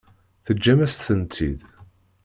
Teǧǧam-as-tent-id.